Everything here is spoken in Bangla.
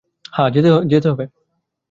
হ্যাঁ যেতে হবে!